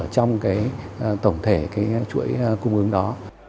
trong tổng thể chuỗi cung ứng đó